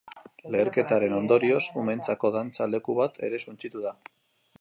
Leherketaren ondorioz, umeentzako dantza-leku bat ere suntsitu da.